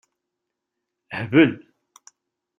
Hbel.